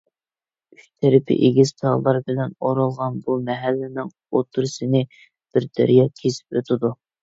ئۈچ تەرىپى ئېگىز تاغلار بىلەن ئورالغان بۇ مەھەللىنىڭ ئوتتۇرىسىنى بىر دەريا كېسىپ ئۆتىدۇ.